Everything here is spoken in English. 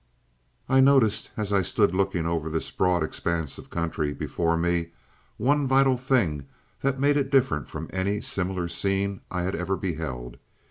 "I noticed, as I stood looking over this broad expanse of country before me, one vital thing that made it different from any similar scene I had ever beheld.